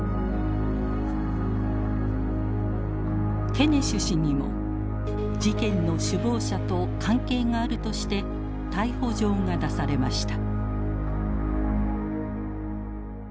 ケネシュ氏にも事件の首謀者と関係があるとして逮捕状が出されました。